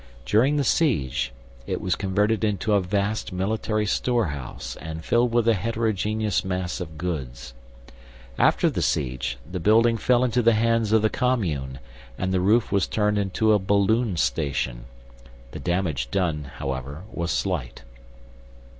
During the siege, it was converted into a vast military storehouse and filled with a heterogeneous mass of goods. After the siege the building fell into the hands of the Commune and the roof was turned into a balloon station. The damage done, however, was slight.